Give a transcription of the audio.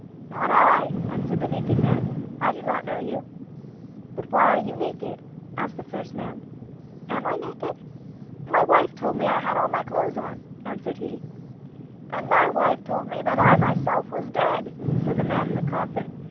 'Not I,' answered the naked man. 'I do not know you.' 'But why are you naked?' asked the first man. 'Am I naked? My wife told me that I had all my clothes on,' answered he. 'And my wife told me that I myself was dead,' said the man in the coffin.